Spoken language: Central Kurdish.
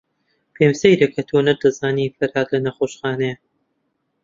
پێم سەیرە کە تۆ نەتدەزانی فەرھاد لە نەخۆشخانەیە.